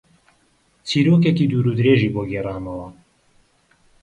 چیرۆکێکی دوور و درێژی بۆ گێڕامەوە.